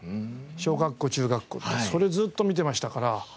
小学校中学校とそれずっと見てましたから。